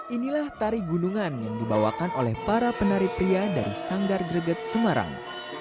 inilah tari gunungan yang dibawakan oleh para penari pria dari sanggar greget semarang